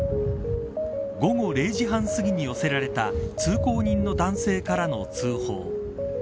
午後０時半すぎに寄せられた通行人の男性からの通報。